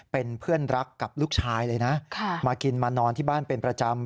เป็นเพื่อนรักกับลูกชายเลยนะมากินมานอนที่บ้านเป็นประจำ